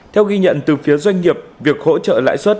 theo ghi nhận từ phía doanh nghiệp việc hỗ trợ lãi suất